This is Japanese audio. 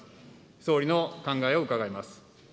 総理の考えを伺います。